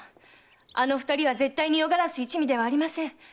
あの二人は絶対に夜鴉一味ではありません。